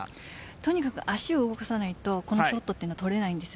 とにかく足を動かさないとショットは取れないんです。